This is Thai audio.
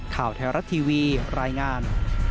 ข่าวแถวรัตน์ทีวีรายงาน